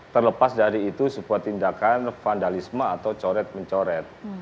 terlepas dari itu sebuah tindakan vandalisme atau coret mencoret